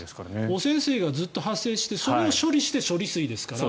汚染水がずっと発生してそれを処理して処理水ですから。